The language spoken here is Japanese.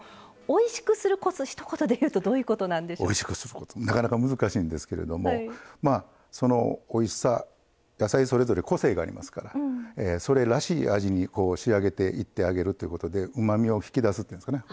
おいしくするコツなかなか難しいんですけれどもそのおいしさ野菜それぞれ個性がありますからそれらしい味に仕上げていってあげるということでうまみを引き出すっていうんですかね